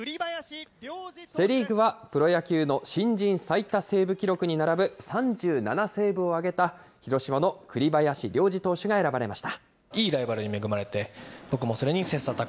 セ・リーグはプロ野球の新人最多セーブ記録に並ぶ３７セーブを挙げた、広島の栗林良吏投手が選ばれました。